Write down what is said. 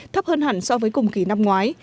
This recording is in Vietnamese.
thấp hơn hẳn so với cùng kỳ năm ngoái